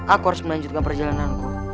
aku harus melanjutkan perjalananku